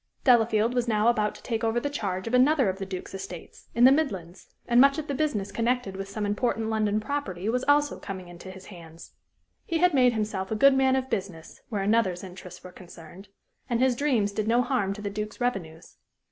Delafield was now about to take over the charge of another of the Duke's estates, in the Midlands, and much of the business connected with some important London property was also coming into his hands. He had made himself a good man of business where another's interests were concerned, and his dreams did no harm to the Duke's revenues.